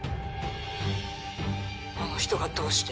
あの人がどうして？